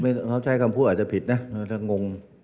ไม่ใช่มาใช้คำพูดอาจจะผิดนะถ้างง